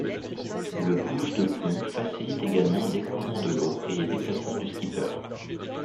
Le bouge de pont facilite également l'écoulement de l'eau et les déplacements du skipper.